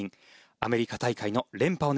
アメリカ大会の連覇を狙います。